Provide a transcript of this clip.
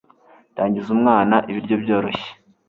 tangiza umwana ibiryo byoroshye